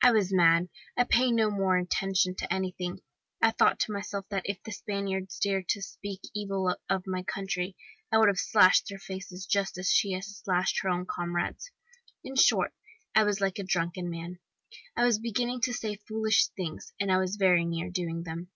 I was mad, I paid no more attention to anything, I thought to myself that if the Spaniards had dared to speak evil of my country, I would have slashed their faces just as she had slashed her comrade's. In short, I was like a drunken man, I was beginning to say foolish things, and I was very near doing them.